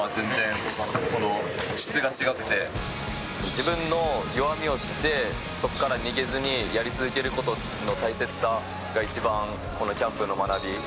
自分の弱みを知ってそこから逃げずにやり続ける事の大切さが一番このキャンプの学び。